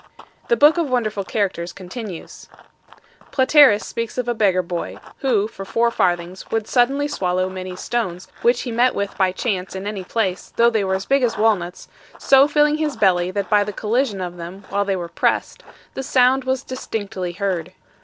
The Book of Wonderful Characters continues: Platerus speaks of a beggar boy, who for four farthings would suddenly swallow many stones which he met with by chance in any place, though they were big as walnuts, so filling his belly that by the collision of them while they were pressed, the sound was distinctly heard.